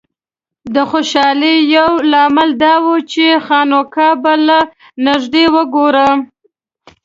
د خوشالۍ یو لامل دا و چې خانقاه به له نږدې وګورم.